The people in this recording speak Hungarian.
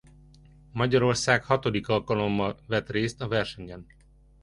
Magyarország hatodik alkalommal vett részt a versenyen.